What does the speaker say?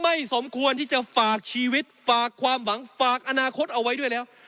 สมควรที่จะฝากชีวิตฝากความหวังฝากอนาคตเอาไว้ด้วยแล้ว